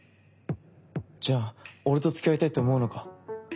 じゃあ俺とつきあいたいって思うのか？